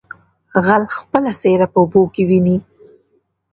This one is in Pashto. ـ غل خپله څېره په اوبو کې ويني.